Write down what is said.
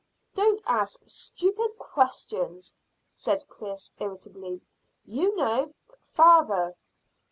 "Don't ask stupid questions," said Chris irritably. "You know: father."